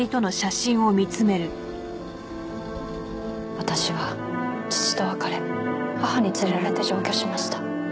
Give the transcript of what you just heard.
私は父と別れ母に連れられて上京しました。